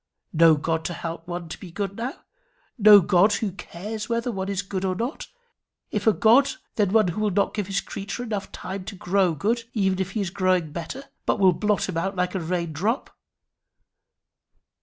No God to help one to be good now! no God who cares whether one is good or not! if a God, then one who will not give his creature time enough to grow good, even if he is growing better, but will blot him out like a rain drop!